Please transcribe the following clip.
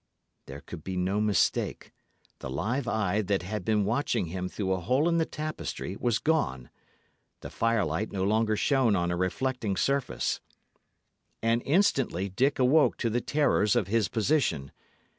There could be no mistake. The live eye that had been watching him through a hole in the tapestry was gone. The firelight no longer shone on a reflecting surface. And instantly Dick awoke to the terrors of his position.